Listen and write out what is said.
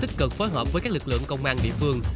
tích cực phối hợp với các lực lượng công an địa phương